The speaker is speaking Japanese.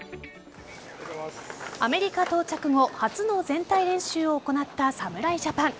アメリカ到着後初の全体練習を行った侍ジャパン。